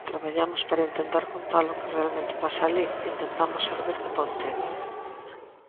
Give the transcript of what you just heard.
Traballamos para intentar contar o que realmente pasa alí, intentamos servir de ponte.